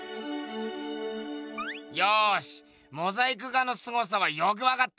よしモザイク画のすごさはよく分かった。